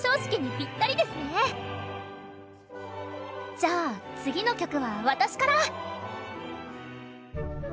じゃあ次の曲は私から。